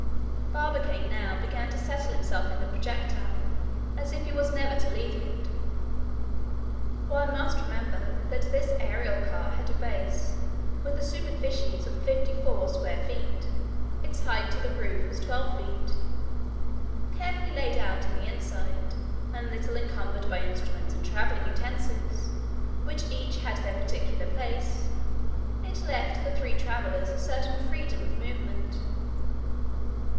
Barbicane now began to settle himself in the projectile as if he was never to leave it. One must remember that this aerial car had a base with a superficies of fifty four square feet. Its height to the roof was twelve feet. Carefully laid out in the inside, and little encumbered by instruments and traveling utensils, which each had their particular place, it left the three travelers a certain freedom of movement.